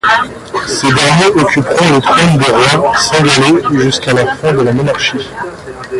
Ces derniers occuperont le trône des rois cinghalais jusqu'à la fin de la monarchie.